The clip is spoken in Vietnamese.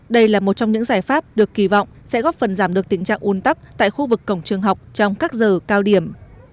đây là một trong những giải pháp được kỳ vọng sẽ góp phần giảm được tình trạng un tắc tại khu vực cổng trường học trong các giờ cao điểm